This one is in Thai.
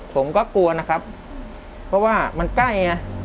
ผมก็กลัวนะครับเพราะว่ามันใกล้ไง